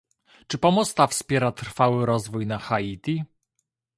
Czy pomoc ta wspiera trwały rozwój na Haiti?